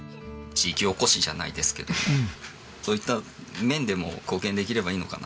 地域おこしじゃないですけどそういった面でも貢献できればいいのかなと。